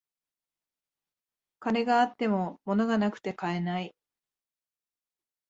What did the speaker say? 金があっても物がなくて買えない